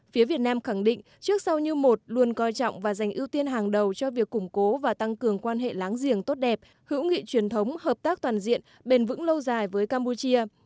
phía việt nam khẳng định trước sau như một luôn coi trọng và dành ưu tiên hàng đầu cho việc củng cố và tăng cường quan hệ láng giềng tốt đẹp hữu nghị truyền thống hợp tác toàn diện bền vững lâu dài với campuchia